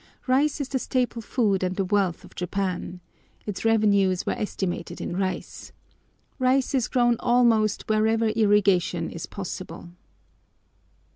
Rice is the staple food and the wealth of Japan. Its revenues were estimated in rice. Rice is grown almost wherever irrigation is possible.